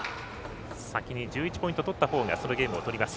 先に１１ポイントとったほうがそのゲームを取ります。